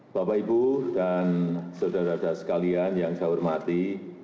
bapak ibu dan saudara saudara sekalian yang saya hormati